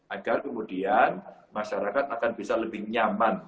agar kemudian masyarakat akan bisa lebih nyaman